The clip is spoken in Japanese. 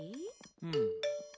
うん。